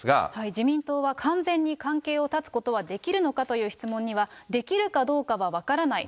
自民党は完全に関係を断つことができるのかという質問には、できるかどうかは分からない。